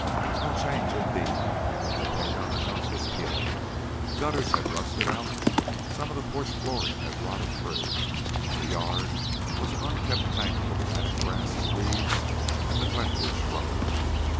No change, indeed! The paint on the house was peeling, gutters had rusted out, some of the porch flooring had rotted through, the yard was an unkempt tangle of matted grass and weeds and neglected shrubbery.